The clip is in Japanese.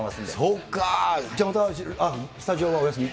そうか、じゃあまたスタジオはお休み？